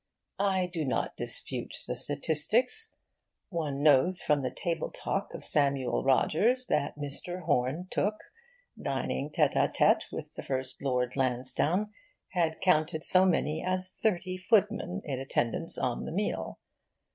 I do not dispute the statistics. One knows from the Table Talk of Samuel Rogers that Mr. Horne Tooke, dining tête á tête with the first Lord Lansdowne, had counted so many as thirty footmen in attendance on the meal.